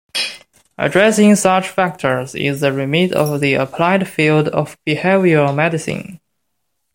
Addressing such factors is the remit of the applied field of behavioral medicine.